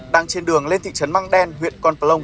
đang trên đường lên thị trấn măng đen huyện con phà lông